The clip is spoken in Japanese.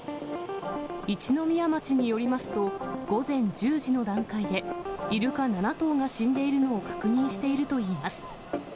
一宮町によりますと、午前１０時の段階で、イルカ７頭が死んでいるのを確認しているといいます。